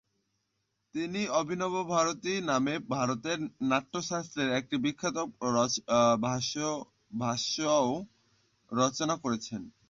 তিনি অভিনবভারতী নামে ভরতের নাট্যশাস্ত্রের একটি বিখ্যাত ভাষ্যও রচনা করেন।